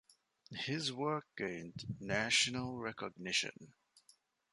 His work gained national recognition.